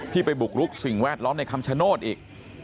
ไปบุกรุกสิ่งแวดล้อมในคำชโนธอีก